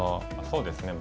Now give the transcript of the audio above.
そうですね